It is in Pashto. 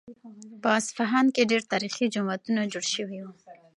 په اصفهان کې ډېر تاریخي جوماتونه جوړ شوي وو.